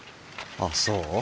あっそう？